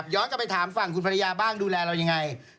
ย้อนกลับไปถามฝั่งคุณภรรยาบ้างดูแลเรายังไง